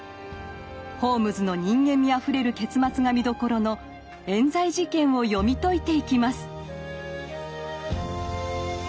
ホームズの人間味あふれる結末が見どころの「冤罪事件」を読み解いていきます。